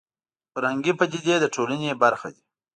فرهنګي پدیدې د ټولنې برخه دي